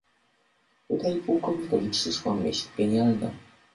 "Tutaj pułkownikowi przyszła myśl genialna."